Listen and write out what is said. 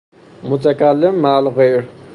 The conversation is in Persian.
متکلم مع الغیر